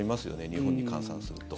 日本に換算すると。